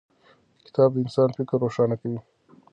کتاب د انسان فکر روښانه کوي.